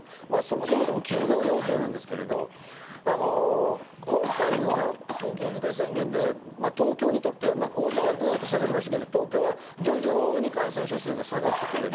そもそも休業要請ですけど、今回の緊急事態宣言で東京にとって大阪はグっと下がりましたけど東京は徐々に感染者数が下がってきている。